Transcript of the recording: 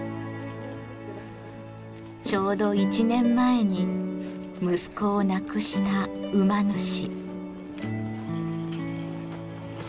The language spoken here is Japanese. ちょうど１年前に息子を亡くした馬主。